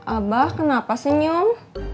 abah kenapa senyum